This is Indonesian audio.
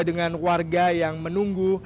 dengan warga yang menunggu